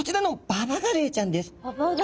ババガレイちゃん。